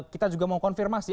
kita juga mau konfirmasi